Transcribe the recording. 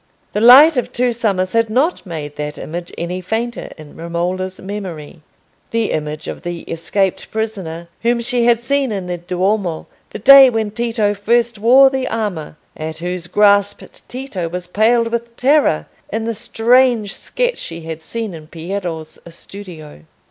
The light of two summers had not made that image any fainter in Romola's memory: the image of the escaped prisoner, whom she had seen in the Duomo the day when Tito first wore the armour—at whose grasp Tito was paled with terror in the strange sketch she had seen in Piero's studio.